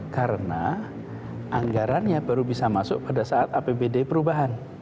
karena anggarannya baru bisa masuk pada saat apbd perubahan